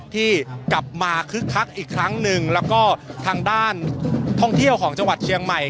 ที่กลับมาคึกคักอีกครั้งหนึ่งแล้วก็ทางด้านท่องเที่ยวของจังหวัดเชียงใหม่